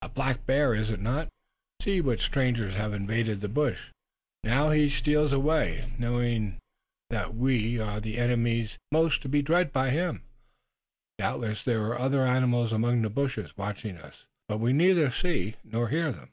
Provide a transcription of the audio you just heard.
"A black bear, is it not, seeing what strangers have invaded the bush! Now, he steals away, knowing that we are the enemies most to be dreaded by him. Doubtless there are other animals among the bushes, watching us, but we neither see nor hear them.